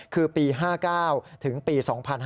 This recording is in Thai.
คือปี๕๙ถึงปี๒๕๕๙